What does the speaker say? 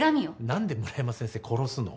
何で村山先生殺すの？